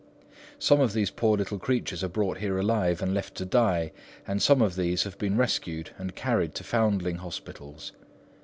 "Some of these poor little creatures are brought here alive and left to die, and some of these have been rescued and carried to foundling hospitals.